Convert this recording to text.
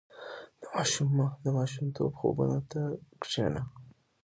• د ماشومتوب خوبونو ته کښېنه.